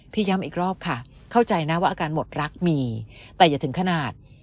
ย้ำอีกรอบค่ะเข้าใจนะว่าอาการหมดรักมีแต่อย่าถึงขนาด